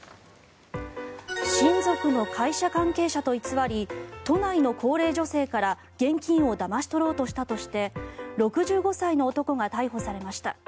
親族の会社関係者と偽り都内の高齢女性から現金をだまし取ろうとしたとして６５歳の男が逮捕されました。